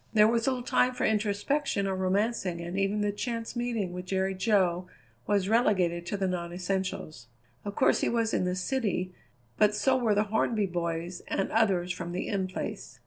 There was little time for introspection or romancing and even the chance meeting with Jerry Jo was relegated to the non essentials. Of course he was in the city, but so were the Hornby boys and others from the In Place.